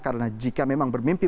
karena jika memang bermimpi